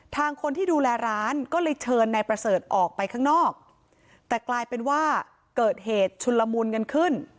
คนที่ดูแลร้านก็เลยเชิญนายประเสริฐออกไปข้างนอกแต่กลายเป็นว่าเกิดเหตุชุนละมุนกันขึ้น